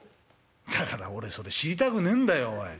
「だから俺それ知りたくねんだよおい。